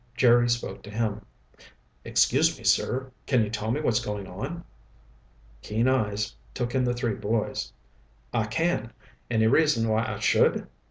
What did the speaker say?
Jerry spoke to him. "Excuse me, sir. Can you tell me what's going on?" Keen eyes took in the three boys. "I can. Any reason why I should?"